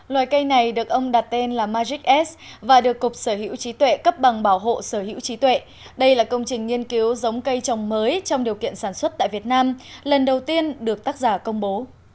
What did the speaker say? loài cây này được ông đặt tên là magics và được cục sở hữu trí tuệ cấp bằng bảo hộ sở hữu trí tuệ đây là công trình nghiên cứu giống cây trồng mới trong điều kiện sản xuất tại việt nam lần đầu tiên được tác giả công bố